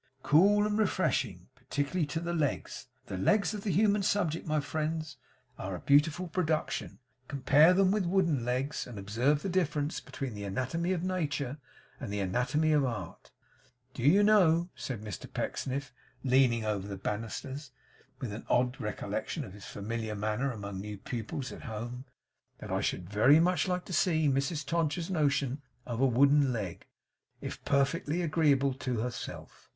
Cool and refreshing; particularly to the legs! The legs of the human subject, my friends, are a beautiful production. Compare them with wooden legs, and observe the difference between the anatomy of nature and the anatomy of art. Do you know,' said Mr Pecksniff, leaning over the banisters, with an odd recollection of his familiar manner among new pupils at home, 'that I should very much like to see Mrs Todgers's notion of a wooden leg, if perfectly agreeable to herself!